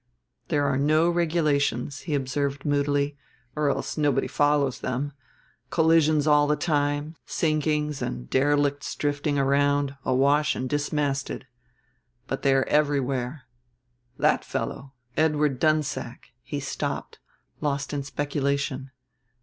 "There are no regulations," he observed moodily; "or else nobody follows them: collisions all the time, sinkings and derelicts drifting round, awash and dismasted. But they are everywhere. That fellow, Edward Dunsack " he stopped, lost in speculation.